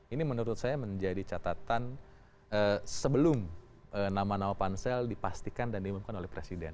ini menurut saya menjadi catatan sebelum nama nama pansel dipastikan dan diumumkan oleh presiden